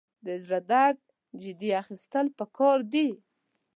د زړه درد جدي اخیستل پکار دي.